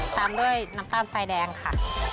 ตามด้วยน้ำตาลทรายแดงค่ะ